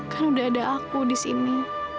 kan udah ada aku di sini